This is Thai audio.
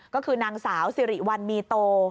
ก็คือนางสาวสิริวัลมีโต